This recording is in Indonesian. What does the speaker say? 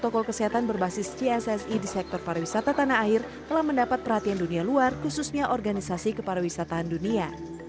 protokol kesehatan berbasis cssi di sektor pariwisata tanah air telah mendapat perhatian dunia luar khususnya organisasi kepariwisataan dunia